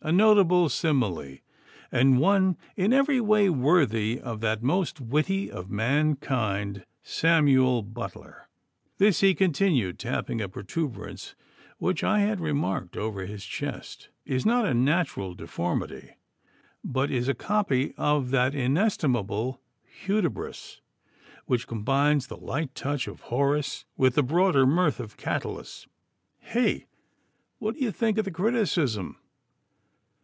A notable simile, and one in every way worthy of that most witty of mankind, Samuel Butler. This,' he continued, tapping a protuberance which I had remarked over his chest, 'is not a natural deformity, but is a copy of that inestimable "Hudibras," which combines the light touch of Horace with the broader mirth of Catullus. Heh! what think you of the criticism?